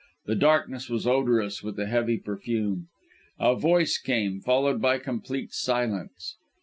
The darkness was odorous with a heavy perfume. A voice came followed by complete silence.